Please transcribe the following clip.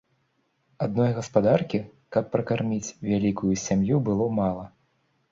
Адной гаспадаркі, каб пракарміць вялікую сям'ю, было мала.